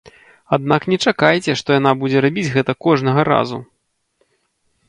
Аднак не чакайце, што яна будзе рабіць гэта кожнага разу!